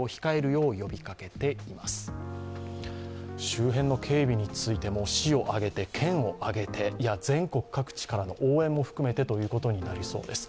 周辺の警備についても市を挙げて、県を挙げて、全国各地からの応援も含めてということになりそうです。